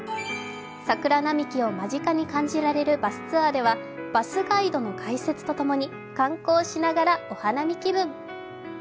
桜並木を間近に感じられるバスツアーではバスガイドの解説と共に観光しながらお花見気分。